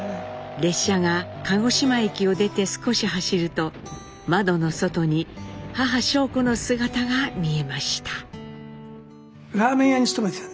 列車が鹿児島駅を出て少し走ると窓の外に母尚子の姿が見えました。